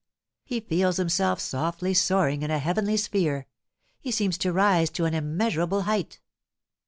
He feels himself softly soaring in a heavenly sphere; he seems to rise to an immeasurable height.